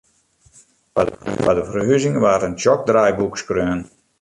Foar de ferhuzing waard in tsjok draaiboek skreaun.